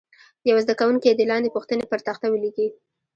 یو زده کوونکی دې لاندې پوښتنې پر تخته ولیکي.